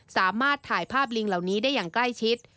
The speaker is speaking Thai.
สามารถถ่ายภาพลิงเหล่านี้ได้อย่างใกล้ชิด